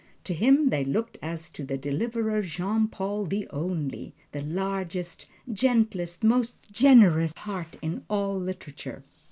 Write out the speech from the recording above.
To him they looked as to a Deliverer. Jean Paul the Only! The largest, gentlest, most generous heart in all literature!